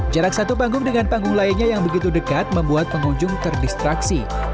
jarak satu panggung dengan panggung lainnya yang begitu dekat membuat pengunjung terdistraksi